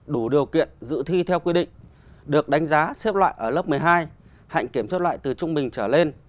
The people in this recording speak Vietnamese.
đủ điều kiện dự thi theo quy định được đánh giá xếp loại ở lớp một mươi hai hạnh kiểm xếp loại từ trung bình trở lên